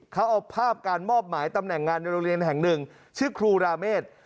เขาเอาภาพการมอบหมายตำแหน่งงานในโรงเรียนแห่งหนึ่งชื่อครูราเมฆ